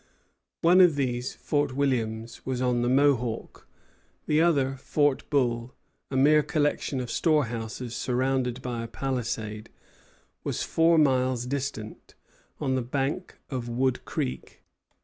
One of these, Fort Williams, was on the Mohawk; the other, Fort Bull, a mere collection of storehouses surrounded by a palisade, was four miles distant, on the bank of Wood Creek.